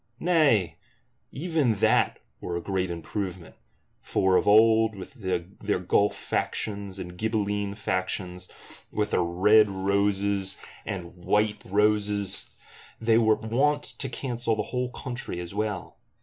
—Nay, even that were a great improvement: for, of old, with their Guelf Factions and Ghibelline Factions, with their Red Roses and White Roses, they were wont to cancel the whole country as well.